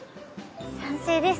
賛成です。